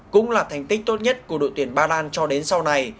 cũng là thành tích tốt nhất của đội tuyển ba lan cho đến sau này